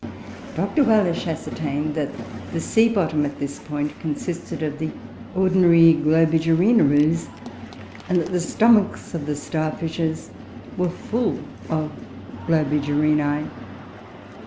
Dr. Wallich ascertained that the sea bottom at this point consisted of the ordinary Globigerina ooze, and that the stomachs of the star fishes were full of Globigerinoe.